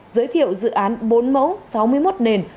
giới thiệu dự án bốn mẫu sáu mươi một nền